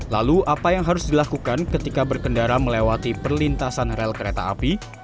lalu apa yang harus dilakukan ketika berkendara melewati perlintasan rel kereta api